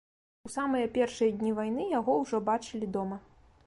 У самыя першыя дні вайны яго ўжо бачылі дома.